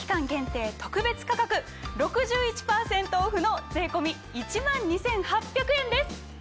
限定特別価格６１％オフの税込み１万２８００円です。